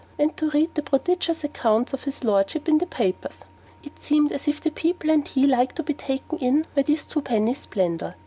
and to read the prodigious accounts of his Lordship in the papers: it seemed as if the people and he liked to be taken in by this twopenny splendour.